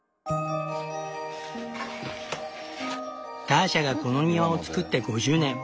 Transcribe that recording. ターシャがこの庭を造って５０年。